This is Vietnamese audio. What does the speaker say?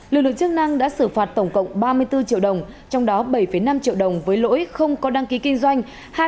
lực lượng chức năng đã xử phạt tổng cộng ba mươi bốn triệu đồng trong đó bảy năm triệu đồng với lỗi không có đăng ký kinh doanh